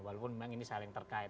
walaupun memang ini saling terkait